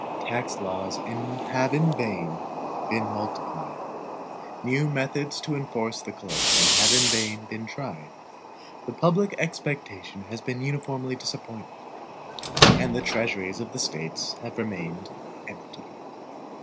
Tax laws have in vain been multiplied; new methods to enforce the collection have in vain been tried; the public expectation has been uniformly disappointed, and the treasuries of the States have remained empty.